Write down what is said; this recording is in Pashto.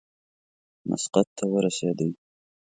مسقط ته ورسېدی.